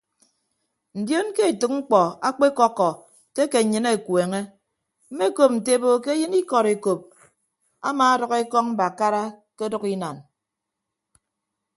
Ndion ke etәk mkpọ akpekọkkọ ke ake nnyịn akueñe mmekop nte ebo ke eyịn ikọd ekop amaadʌk ekọñ mbakara ke ọdʌk inan.